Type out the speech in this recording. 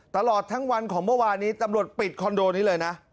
ตลอดทั้งวันของเมื่อวานนี้ตำรวจปิดคอนโดนี้เลยนะ